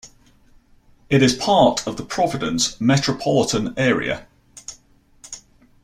It is a part of the Providence metropolitan area.